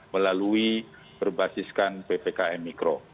melalui berbasiskan ppkm mikro